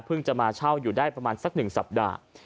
เพิ่งจะมาเช่าอยู่ได้ประมาณสักหนึ่งสัปดาห์